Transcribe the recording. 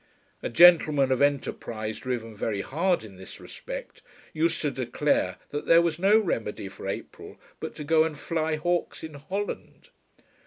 A gentleman of enterprise driven very hard in this respect used to declare that there was no remedy for April but to go and fly hawks in Holland.